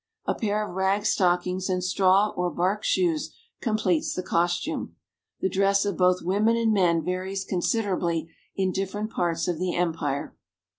A pair of rag stock ings and straw or bark shoes completes the costume. The dress of both women and men varies considerably in different parts of the empire.